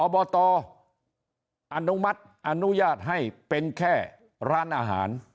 ตอนอนุมัติอนุญาตให้เป็นแค่ร้านอาหาร